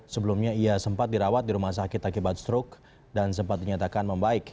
sebelumnya ia sempat dirawat di rumah sakit akibat strok dan sempat dinyatakan membaik